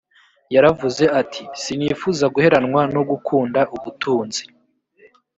yaravuze ati sinifuza guheranwa no gukunda ubutunzi